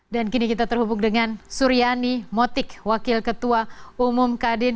dan kini kita terhubung dengan suriani motik wakil ketua umum kadin